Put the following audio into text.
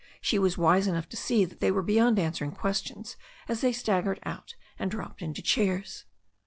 She was wise enough to see that they were beyond answering questions as they staggered out and dropped into chairs.